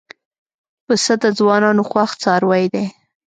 پسه د ځوانانو خوښ څاروی دی.